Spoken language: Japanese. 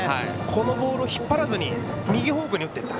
このボールを引っ張らずに右方向に打っていった。